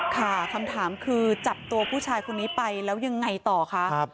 ค่ะคำถามคือจับตัวผู้ชายคนนี้ไปแล้วยังไงต่อคะ